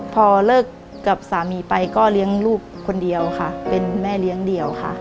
พอเลิกกับสามีไปก็เลี้ยงลูกคนเดียวค่ะเป็นแม่เลี้ยงเดี่ยวค่ะ